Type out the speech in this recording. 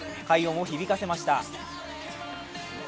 快音を響かせました。